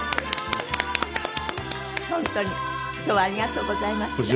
本当に今日はありがとうございました。